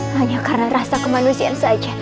hanya karena rasa kemanusiaan saja